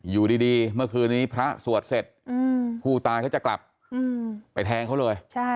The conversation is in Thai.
อยู่ดีเมื่อคืนนี้พระสวดเสร็จผู้ตายเขาจะกลับไปแทงเขาเลย